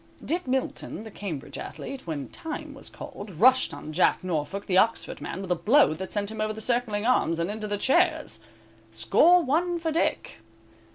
Dick Milton, the Cambridge athlete, when "time" was called, rushed on Jack Norfolk, the Oxford man, with a blow that sent him over the circling arms and into the chairs. Score one for Dick.